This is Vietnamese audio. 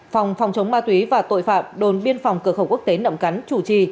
phòng phòng chống ma túy và tội phạm đồn biên phòng cửa khẩu quốc tế nậm cắn chủ trì